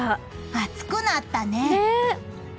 暑くなったね。